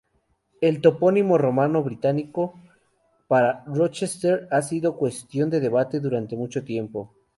El topónimo romano-britano para Rochester ha sido cuestión de debate durante mucho tiempo.